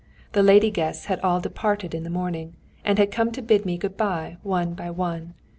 The lady guests had all departed in the morning, and had come to bid me good bye one by one.